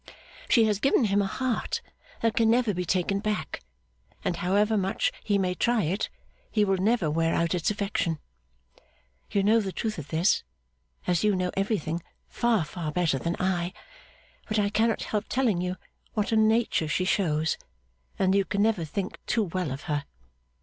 She has given him a heart that can never be taken back; and however much he may try it, he will never wear out its affection. You know the truth of this, as you know everything, far far better than I; but I cannot help telling you what a nature she shows, and that you can never think too well of her.